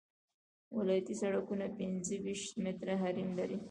ولایتي سرکونه پنځه ویشت متره حریم لري